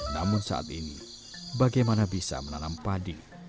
namun saat ini bagaimana bisa menanam padi